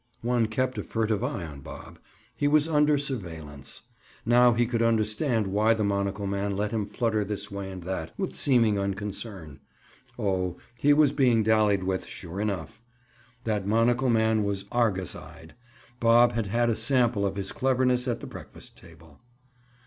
One kept a furtive eye on Bob. He was under surveillance. Now he could understand why the monocle man let him flutter this way and that, with seeming unconcern. Oh, he was being dallied with, sure enough! That monocle man was argus eyed. Bob had had a sample of his cleverness at the breakfast table.